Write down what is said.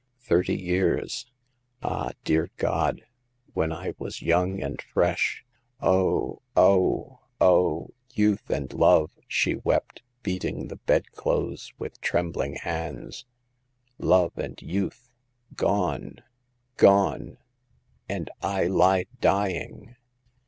Thirty years ! Ah, dear God ! when I was young and fresh ! Oh, oh, oh ! Youth and love !" she wept, beating the bedclothes with trembling hands —love and youth ! Gone ! gone !— and I lie dying